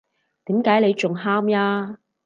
點解你仲喊呀？